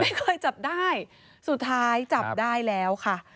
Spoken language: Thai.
เคยจับได้สุดท้ายจับได้แล้วค่ะ